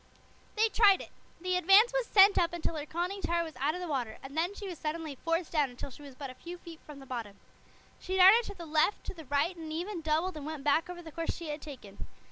They tried it. The Advance was sent up until her conning tower was out of the water, and then she was suddenly forced down until she was but a few feet from the bottom. She darted to the left, to the right, and even doubled and went back over the course she had taken.